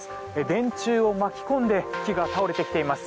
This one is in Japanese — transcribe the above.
電柱を巻き込んで木が倒れてきています。